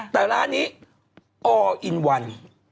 แต่ร้านนี้อออินวัน